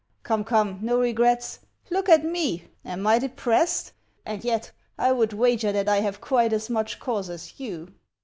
" Come, come, no regrets ! Look at me. Am I de pressed ? And yet I would wager that I have quite as much cause as you."